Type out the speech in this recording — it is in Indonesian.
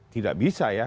tidak bisa ya